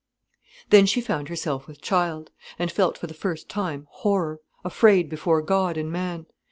Then she found herself with child, and felt for the first time horror, afraid before God and man.